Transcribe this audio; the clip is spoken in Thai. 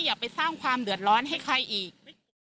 อย่าไปสร้างความเดือดร้อนให้ใครอีก